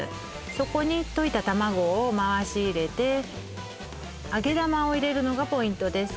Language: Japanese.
そこに溶いた卵を回し入れて揚げ玉を入れるのがポイントです